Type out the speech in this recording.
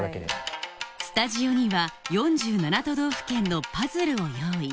スタジオには４７都道府県のパズルを用意